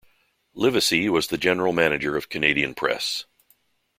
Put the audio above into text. Livesay was the General Manager of Canadian Press.